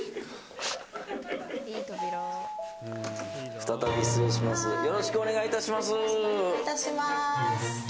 再び失礼します。